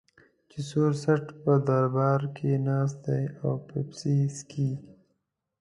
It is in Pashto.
چې سور څټ په دربار کې ناست دی او پیپسي څښي.